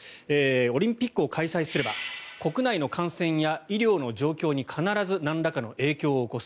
オリンピックを開催すれば国内の感染や医療の状況に必ずなんらかの影響を起こす。